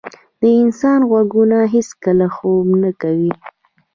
د انسان غوږونه هیڅکله خوب نه کوي.